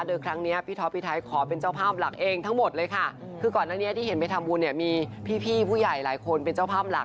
โดยครั้งนี้พี่ท็อปพี่ไทยขอเป็นเจ้าภาพหลักเองทั้งหมดเลยค่ะคือก่อนหน้านี้ที่เห็นไปทำบุญเนี่ยมีพี่ผู้ใหญ่หลายคนเป็นเจ้าภาพหลัก